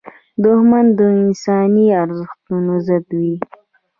دښمن د انساني ارزښتونو ضد وي